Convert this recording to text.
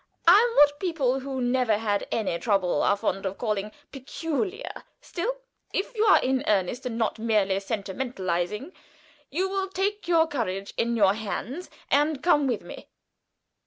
I am what people who never had any trouble are fond of calling peculiar. Still, if you are in earnest, and not merely sentimentalizing, you will take your courage in your hands and come with me."